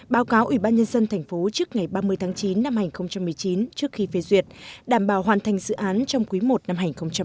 báo cáo ủy ban nhân dân thành phố trước ngày ba mươi tháng chín năm hai nghìn một mươi chín trước khi phê duyệt đảm bảo hoàn thành dự án trong quý i năm hai nghìn hai mươi